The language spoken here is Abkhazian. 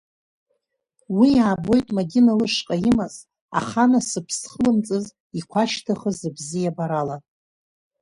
Уи аабоит Мадина лышҟа имаз, аха анасыԥ зхылымҵыз, иқәашьдахаз абзиабара ала.